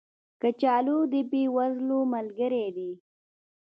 کچالو د بې وزلو ملګری دی